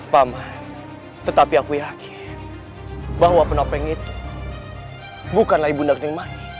paman tetapi aku yakin bahwa penopeng itu bukanlah ibu ndak ketinggmani